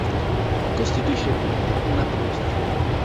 Costituisce quindi una penisola.